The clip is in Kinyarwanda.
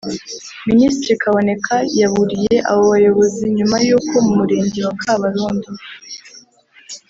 Minisitiri Kaboneka yaburiye abo bayobozi nyuma y’uko mu Murenge wa Kabarondo